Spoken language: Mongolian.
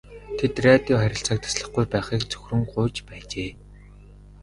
Тэд радио харилцааг таслахгүй байхыг цөхрөн гуйж байжээ.